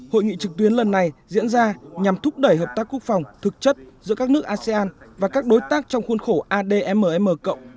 hội nghị trực tuyến lần này diễn ra nhằm thúc đẩy hợp tác quốc phòng thực chất giữa các nước asean và các đối tác trong khuôn khổ admm cộng